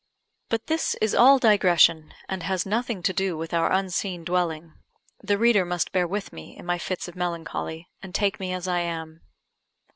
But this is all digression, and has nothing to do with our unseen dwelling. The reader must bear with me in my fits of melancholy, and take me as I am.